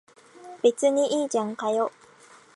別にいいじゃんかよ。